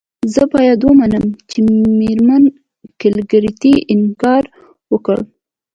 زه باید ومنم چې میرمن کلیګرتي انکار وکړ